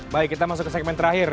baik kita masuk ke segmen terakhir